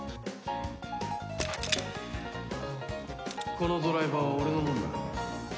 このドライバーは俺のものだ。